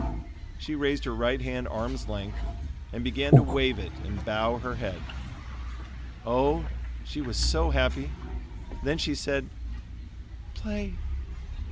She raised her right hand arm's length, and began to wave it and bow her head. Oh! she was so happy. Then she said: "Play."